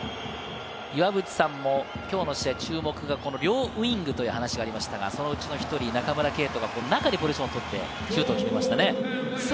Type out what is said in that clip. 岩渕さんもきょうの試合、両ウイングという話がありましたが、そのうちの１人、中村敬斗が中でポジションを取っていって、シュートを決めましたね。